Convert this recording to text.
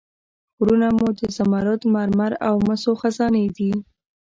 غرونه مو د زمرد، مرمر او مسو خزانې دي.